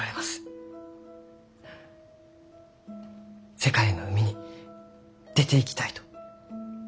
世界の海に出ていきたいと。